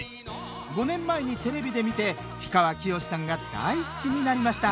５年前にテレビで見て氷川きよしさんが大好きになりました